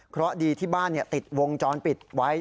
เพราะดีที่บ้านติดวงจรปิดไว้